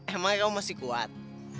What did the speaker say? emangnya kamu masih kuat